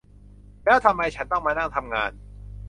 แล้วทำไมฉันต้องมานั่งทำงาน